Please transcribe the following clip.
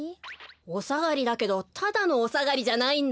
おさがりだけどただのおさがりじゃないんだ。